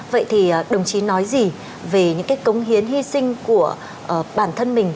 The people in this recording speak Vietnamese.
vậy thì đồng chí nói gì về những cái cống hiến hy sinh của bản thân mình